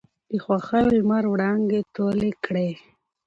د خـوښـيو لمـر وړانـګې تـولې کـړې.